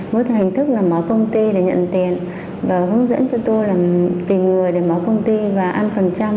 muốn thành thức là mở công ty để nhận tiền và hướng dẫn cho tôi là tìm người để mở công ty và ăn phần trăm